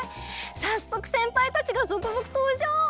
さっそくせんぱいたちがぞくぞくとうじょう！